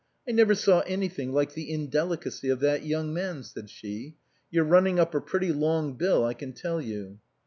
" I never saw anything like the indelicacy of that young man," said she. " You're running up a pretty long bill, I can tell you."